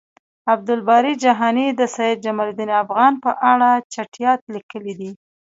عبد الباری جهانی د سید جمالدین افغان په اړه چټیات لیکلی دی